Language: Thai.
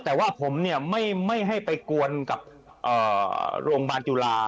แต่ว่าผมเนี่ยไม่ให้ไปกวนกับโรงพยาบาลจุฬา